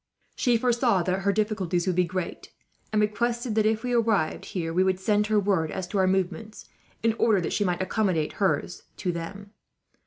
She foresaw that her difficulties would be great; and requested that, if we arrived here, we would send her word as to our movements, in order that she might accommodate hers to them.